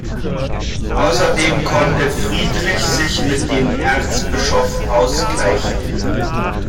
Außerdem konnte Friedrich sich mit dem Erzbischof ausgleichen.